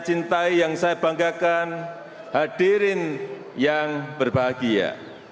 cintai yang saya banggakan hadirin yang berbahagia